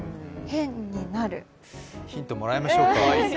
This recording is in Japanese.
ヒントもらいましょうか？